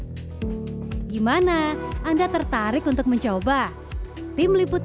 kandungan atsiri dari serai ini juga bisa dipindahkan untuk ditanam di rumah